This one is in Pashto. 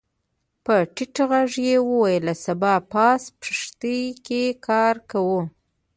په ټيټ غږ يې وويل سبا پاس پښتې کې کار کوو.